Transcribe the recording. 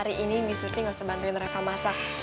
jadi bi surti gak usah bantuin reva masak